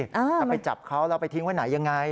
จะไปจับเขาแล้วไปทิ้งไว้ไหนยังไง